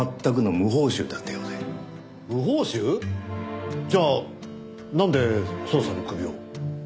無報酬？じゃあなんで捜査に首を？